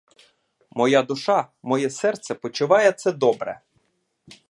Моя душа, моє серце почуває це добре.